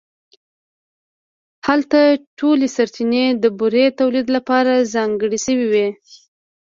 هلته ټولې سرچینې د بورې تولید لپاره ځانګړې شوې وې